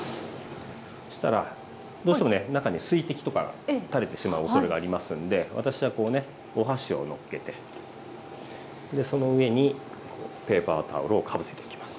そしたらどうしてもね中に水滴とか垂れてしまうおそれがありますんで私はこうねお箸をのっけてその上にペーパータオルをかぶせていきます。